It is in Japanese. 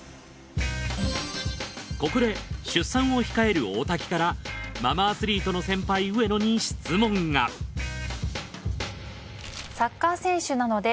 ここで出産を控える大滝からママアスリートの先輩上野に質問が０レベルに戻ります。